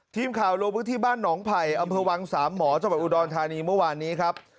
ทีมข่าวลงพื้นที่บ้านหนองไผ่อำเภอวังสามหมอจังหวัดอุดรธานีเมื่อวานนี้ครับ